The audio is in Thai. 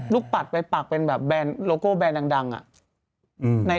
ดูปัดไปปักเป็นแบบแบรนด์โลโกะแบรนด์อ่างดังอ่ะ